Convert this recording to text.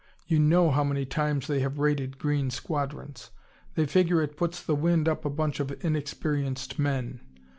You know how many times they have raided green squadrons. They figure it puts the wind up a bunch of inexperienced men.